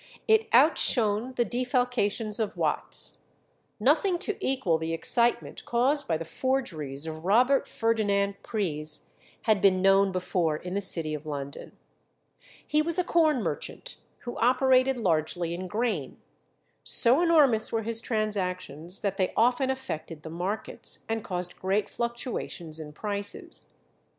It outshone the defalcations of Watts. Nothing to equal the excitement caused by the forgeries of Robert Ferdinand Pries had been known before in the city of London. He was a corn merchant who operated largely in grain. So enormous were his transactions, that they often affected the markets, and caused great fluctuations in prices.